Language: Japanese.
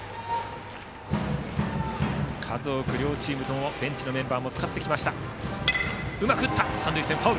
数多く、両チームともベンチのメンバーを使っています。